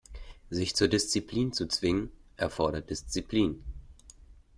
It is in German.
Sich zur Disziplin zu zwingen, erfordert Disziplin.